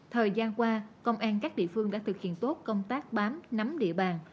thời gian qua công an các địa phương đã thực hiện tốt công tác bám nắm địa bàn